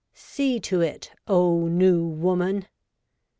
See to it, O New Woman